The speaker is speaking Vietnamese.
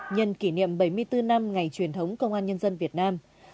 nhân kỷ niệm bảy mươi bốn năm ngày truyền thống công an nhân dân việt nam